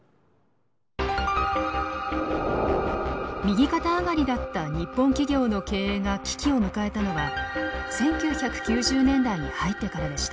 右肩上がりだった日本企業の経営が危機を迎えたのは１９９０年代に入ってからでした。